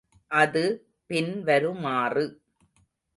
அது பின் வருமாறு.